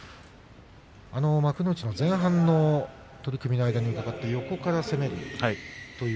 幕内前半の取組の間に伺って、横から攻めるという。